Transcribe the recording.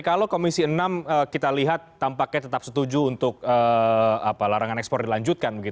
nah sekarang kita lihat tampaknya tetap setuju untuk larangan ekspor dilanjutkan